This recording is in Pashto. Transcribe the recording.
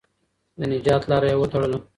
د نجات لاره یې وتړله.